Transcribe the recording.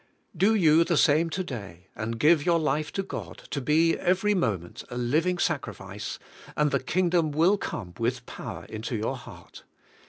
Do you the same to day and give your life to God to be every mo ment a living sacrifice, and the Kingdom will come with power into your heart.